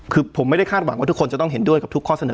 คือผมไม่ได้คาดหวังว่าทุกคนจะต้องเห็นด้วยกับทุกข้อเสนอ